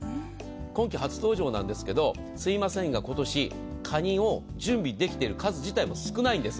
今季初登場なんですけどすいませんが、今年かにを準備できている数自体も少ないんです。